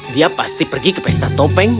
dia pasti pergi ke pesta topeng